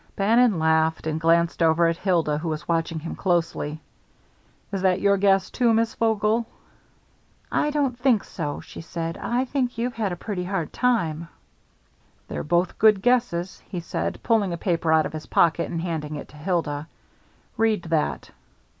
Bannon laughed, and glanced over at Hilda, who was watching him closely. "Is that your guess, too, Miss Vogel?" "I don't think so," she said. "I think you've had a pretty hard time." "They're both good guesses," he said, pulling a paper out of his pocket, and handing it to Hilda. "Read that."